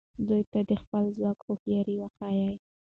دوی ته د خپل ځواک هوښیاري وښایه.